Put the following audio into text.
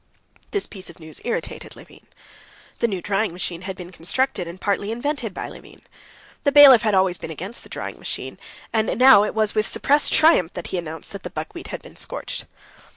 This piece of news irritated Levin. The new drying machine had been constructed and partly invented by Levin. The bailiff had always been against the drying machine, and now it was with suppressed triumph that he announced that the buckwheat had been scorched.